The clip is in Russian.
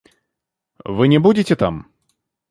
Вы не будете там?